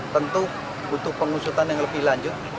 tentu butuh pengusutan yang lebih lanjut